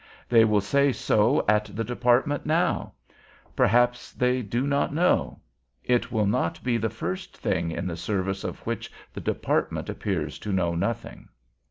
They will say so at the Department now! Perhaps they do not know. It will not be the first thing in the service of which the Department appears to know nothing!